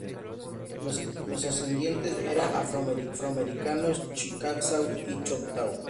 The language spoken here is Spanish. Los ascendientes de Brown era afroamericanos, chickasaw y choctaw.